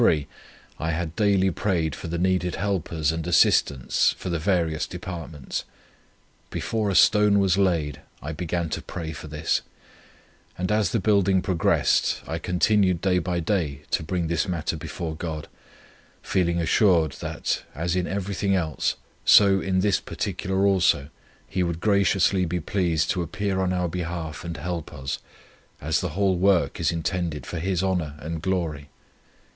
3, I had daily prayed for the needed helpers and assistants for the various departments. Before a stone was laid, I began to pray for this; and, as the building progressed, I continued day by day to bring this matter before God, feeling assured, that, as in everything else, so in this particular also, He would graciously be pleased to appear on our behalf and help us, as the whole work is intended for His honour and glory.